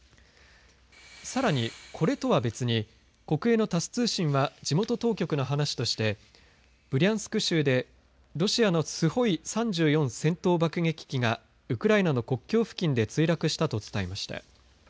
さらに、これとは別に国営のタス通信は地元当局の話としてブリャンスク州でロシアのスホイ３４戦闘爆撃機がウクライナの国境付近で墜落したと伝えました。